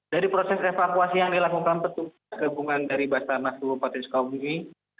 dari proses evakuasi yang dilakukan petugas kegungan dari bas tarnas ke bupati sukabumi